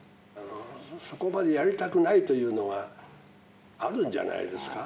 そこまでやりたくないというのがあるんじゃないですか。